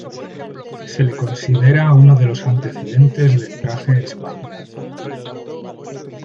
Se le considera uno de los antecedentes del traje espacial.